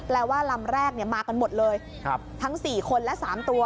ว่าลำแรกมากันหมดเลยทั้ง๔คนและ๓ตัว